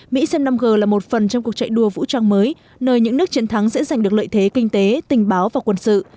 mỹ xem năm g là một phần trong cuộc chạy đua vũ trang mới nơi những nước chiến thắng sẽ giành được lợi thế kinh tế tình báo và quân sự